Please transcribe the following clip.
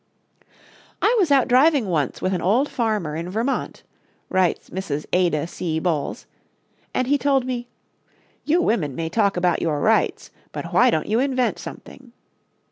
"I was out driving once with an old farmer in Vermont," writes Mrs. Ada C. Bowles, "and he told me, 'You women may talk about your rights, but why don't you invent something?'